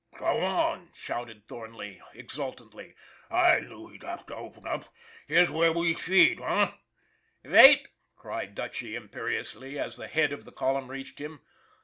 "Come on!" shouted Thornley exultantly. "I knew he'd have to open up. Here's where we feed h'm?" :< Vait !" cried Dutchy imperiously, as the head of the column reached him.